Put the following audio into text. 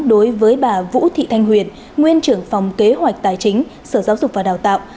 đối với bà vũ thị thanh huyền nguyên trưởng phòng kế hoạch tài chính sở giáo dục và đào tạo